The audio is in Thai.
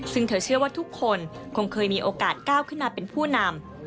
ซึ่งเธอเชื่อว่าทุกคนคงเคยมีโอกาสก้าวขึ้นมาเป็นผู้นำ